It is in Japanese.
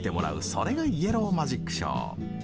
それが「イエローマジックショー」。